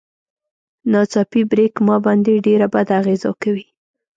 ناڅاپي بريک ما باندې ډېره بده اغېزه کوي.